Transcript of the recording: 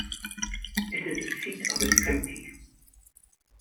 It is the seat of its county.